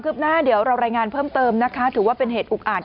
หน้าเดี๋ยวเรารายงานเพิ่มเติมนะคะถือว่าเป็นเหตุอุกอาจ